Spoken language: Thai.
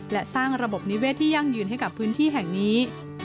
และสร้างระบบนิเวศที่ยั่งยืนให้กับพื้นที่แห่งนี้